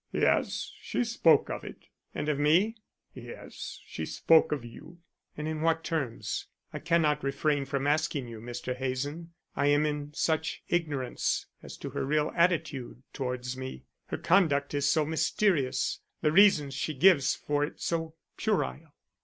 "Yes, she spoke of it." "And of me?" "Yes, she spoke of you." "And in what terms? I cannot refrain from asking you, Mr. Hazen, I am in such ignorance as to her real attitude towards me; her conduct is so mysterious; the reasons she gives for it so puerile."